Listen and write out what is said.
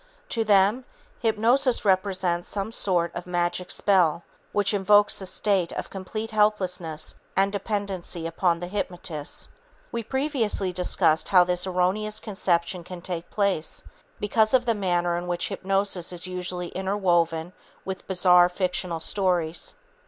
To them, hypnosis represents some sort of "magic spell" which invokes a state of complete helplessness and dependency upon the hypnotist. We previously discussed how this erroneous conception can take place because of the manner in which hypnosis is usually interwoven with bizarre fictional stories.